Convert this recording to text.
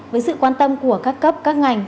với sự quan tâm của các cấp các ngành